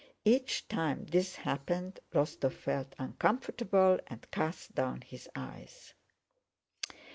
Each time this happened Rostóv felt uncomfortable and cast down his eyes.